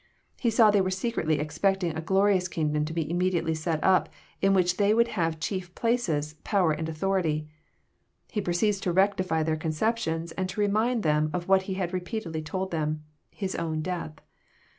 He paw they were secretly expecting a glorious kingdom to be immediately set up, in which they would have chief places, pow er, and authority. He proceeds to rectify their conceptions, and > to remind them of what He had repeatedly told them* His oWn death.